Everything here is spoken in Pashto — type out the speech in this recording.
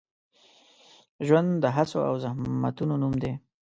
ژوند د هڅو او زحمتونو نوم دی.